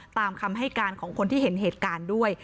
ตามคำให้การของคนที่เห็นเหตุการณ์ด้วย